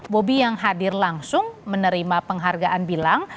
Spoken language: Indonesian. bobi yang hadir langsung menerima penghargaan bilang